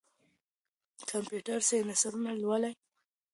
کمپيوټر سېنسرونه لولي.